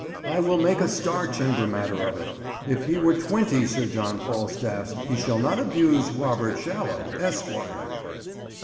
I will make a Star chamber matter of it—if he were twenty Sir John Falstaffs, he shall not abuse Robert Shallow, esquire.